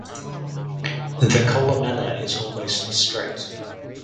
The columella is almost straight.